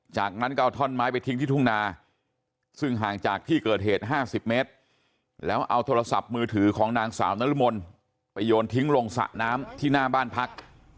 จากนั้นก็เอาท่อนไม้ไปทิ้งที่ทุ่งนาซึ่งห่างจากที่เกิดเหตุ๕๐เมตรแล้วเอาโทรศัพท์มือถือของนางสาวนรมนไปโยนทิ้งลงสระน้ำที่หน้าบ้านพัก